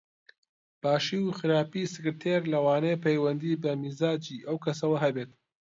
باشی و خراپی سکرتێر لەوانەیە پەیوەندی بە میزاجی ئەو کەسەوە هەبێت